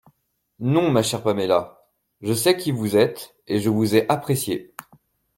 Non, ma chère Paméla… je sais qui vous êtes, et je vous ai appréciée…